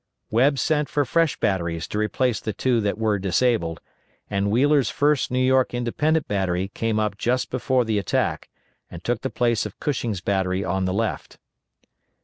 Webb sent for fresh batteries to replace the two that were disabled, and Wheeler's 1st New York Independent Battery came up just before the attack, and took the place of Cushing's battery on the left.